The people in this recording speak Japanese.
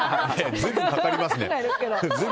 随分、かかりますね。